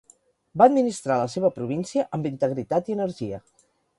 Va administrar la seva província amb integritat i energia.